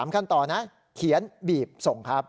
ขั้นตอนต่อนะเขียนบีบส่งครับ